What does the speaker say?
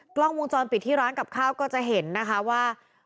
กล้องวงจรปิดที่ร้านกับข้าวก็จะเห็นนะคะว่า